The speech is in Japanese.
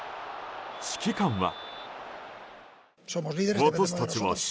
指揮官は。